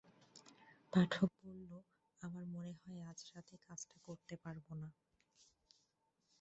পাঠক বলল, আমার মনে হয় আজ রাতে কাজটা করতে পারব না।